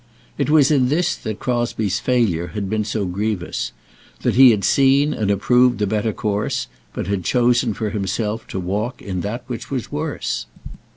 It was in this that Crosbie's failure had been so grievous, that he had seen and approved the better course, but had chosen for himself to walk in that which was worse.